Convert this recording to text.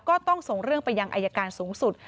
ก็ต้องส่งเรื่องไปยังอายการสูงสุด